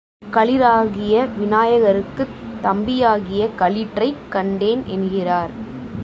களிறாகிய விநாயகருக்குத் தம்பியாகிய களிற்றைக் கண்டேன் என்கிறார்.